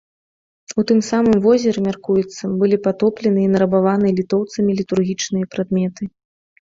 У тым самым возеры, мяркуецца, былі патопленыя і нарабаваныя літоўцамі літургічныя прадметы.